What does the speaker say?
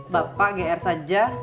bapak gr saja